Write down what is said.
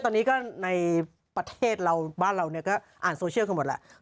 ตอนนี้ก็ในประเทศเราบ้านเราก็อ่านโซเชียลกันหมดแหละ